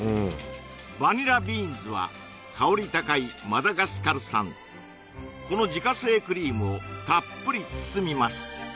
バニラビーンズは香り高いマダガスカル産この自家製クリームをたっぷり包みます